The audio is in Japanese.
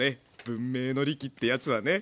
文明の利器ってやつはね。